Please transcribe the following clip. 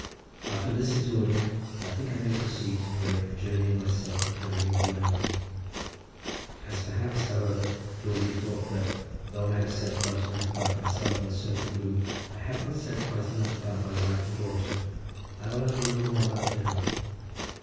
After this exordium I think I may proceed to narrate the journey of myself and family into Wales. As perhaps, however, it will be thought that, though I have said quite enough about myself and a certain groom, I have not said quite enough about my wife and daughter, I will add a little more about them.